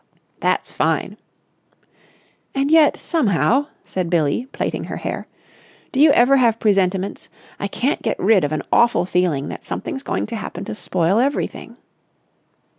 "That's fine!" "And yet, somehow," said Billie, plaiting her hair, "do you ever have presentiments? I can't get rid of an awful feeling that something's going to happen to spoil everything."